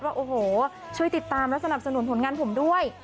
ว่าโอ้โหช่วยติดตามและสนับสนุนผลงานผมด้วย